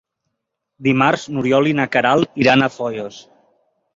Dimarts n'Oriol i na Queralt iran a Foios.